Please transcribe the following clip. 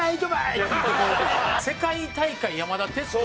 世界大会山田哲人